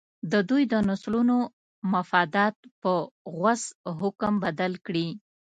د دوی د نسلونو مفادات په غوڅ حکم بدل کړي.